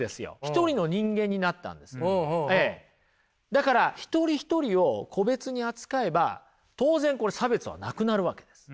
だから一人一人を個別に扱えば当然これ差別はなくなるわけです。